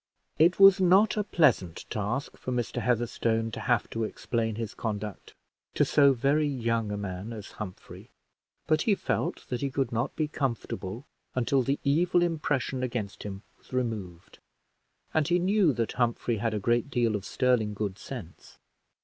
It was not a pleasant task for Mr. Heatherstone to have to explain his conduct to so very young a man as Humphrey, but he felt that he could not be comfortable until the evil impression against him was removed, and he knew that Humphrey had a great deal of sterling good sense.